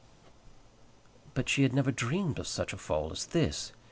But she had never dreamed of such a fall as this!